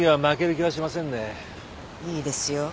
いいですよ。